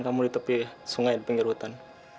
kamu di tepi sungai pengerutan